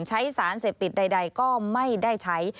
ใช้สารเสพติดใดก็ไม่ได้ใช้